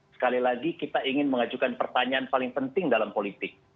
sekali lagi kita ingin mengajukan pertanyaan paling penting dalam politik